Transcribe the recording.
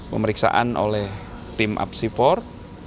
pemeriksaan oleh tim apsifor